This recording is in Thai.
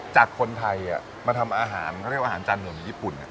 จากคนไทยมาทำอาหารเขาเรียกว่าอาหารจานด่วนญี่ปุ่น